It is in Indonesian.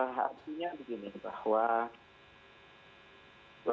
hak aslinya begini bahwa